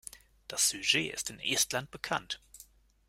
Das Sujet ist in Estland bekannt.